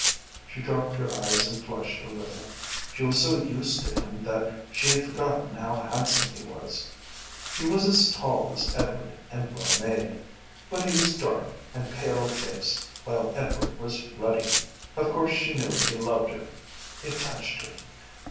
She dropped her eyes and flushed a little. She was so used to him that she had forgotten how handsome he was. He was as tall as Edward and as well made, but he was dark and pale of face, while Edward was ruddy. Of course she knew he loved her. It touched her.